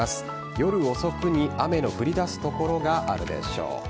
夜遅くに雨の降り出す所があるでしょう。